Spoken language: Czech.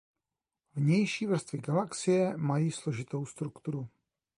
Vnější vrstvy galaxie mají složitou strukturu.